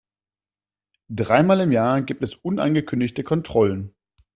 Dreimal im Jahr gibt es unangekündigte Kontrollen.